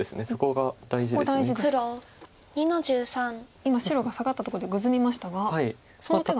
今白がサガったところでグズみましたがその手が大事と。